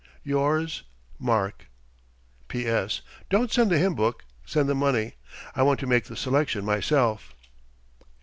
Yours MARK P.S. Don't send the hymn book, send the money. I want to make the selection myself.